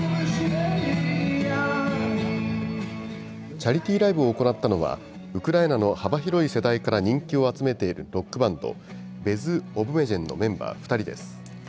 チャリティーライブを行ったのは、ウクライナの幅広い世代から人気を集めているロックバンド、ＢＥＺＯＢＭＥＺＨＥＮのメンバー２人です。